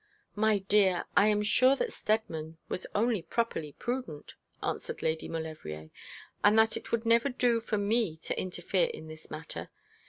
'My dear, I am sure that Steadman was only properly prudent.' answered Lady Maulevrier, 'and that it would never do for me to interfere in this matter.